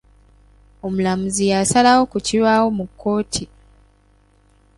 Omulamuzi y'asalawo ku kibaawo mu kkooti.